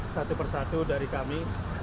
satu persatu dari kami